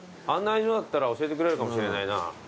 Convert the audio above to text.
案内所だったら教えてくれるかもしれないな。